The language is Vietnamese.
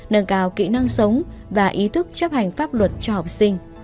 nâng cao kỹ năng sống và ý thức chấp hành pháp luật cho học sinh